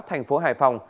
thành phố hải phòng